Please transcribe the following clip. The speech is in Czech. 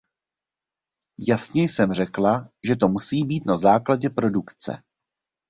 Jasně jsem řekla, že to musí být na základě produkce.